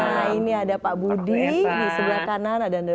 nah ini ada pak budi di sebelah kanan ada